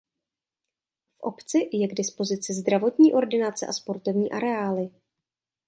V obci je k dispozici zdravotní ordinace a sportovní areály.